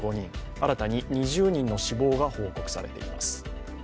新たに２０人の死亡が報告されています。